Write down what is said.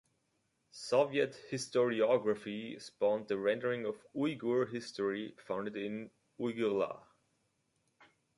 Soviet historiography spawned the rendering of Uyghur history found in Uyghurlar.